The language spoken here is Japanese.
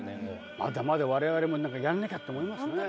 まだまだ我々もやんなきゃって思いますね。